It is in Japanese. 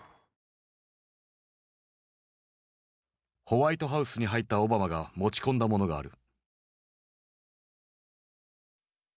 ホワイトハウスに入ったオバマが持ち込んだものがある。